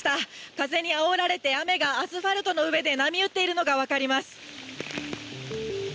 風にあおられて雨がアスファルトの上で波打っているのが分かります。